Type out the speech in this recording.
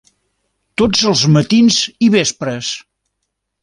Tots els matins i vespres.